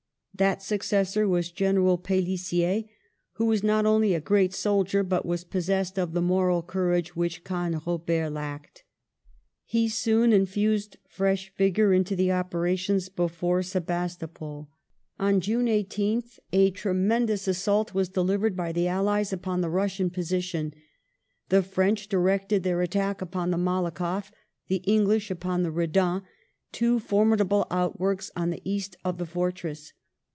That successor was General Pelissier, who was not only a great soldier, but was possessed of the moral courage which Canrobert lacked. He soon infused fresh vigour into the operations before 246 WAR AND PEACE [1855 Sebastopol. On June 18th a tremendous assault was delivered by the allies upon the Russian position ; the French directed their attack upon the MalakofF, the English upon the Redan, two for midable outworks on the east of the fortress.